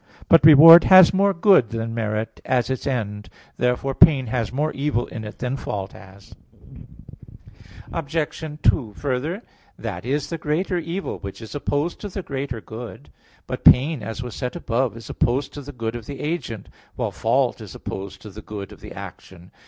But reward has more good than merit, as its end. Therefore pain has more evil in it than fault has. Obj. 2: Further, that is the greater evil which is opposed to the greater good. But pain, as was said above (A. 5), is opposed to the good of the agent, while fault is opposed to the good of the action.